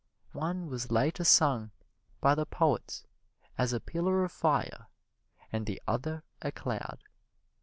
One was later sung by the poets as a pillar of fire, and the other a cloud.